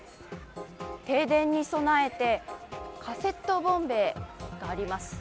停電に備えて、カセットボンベがあります。